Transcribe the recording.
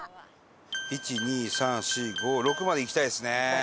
１２３４５６まで行きたいですね。